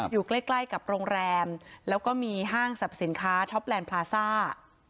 อยู่ใกล้ใกล้กับโรงแรมแล้วก็มีห้างสรรพสินค้าท็อปแลนด์พลาซ่า